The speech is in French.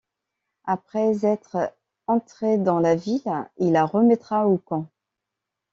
Après être entré dans la ville, il la remettra au khan.